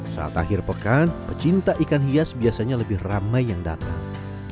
saat akhir pekan pecinta ikan hias biasanya lebih ramai yang datang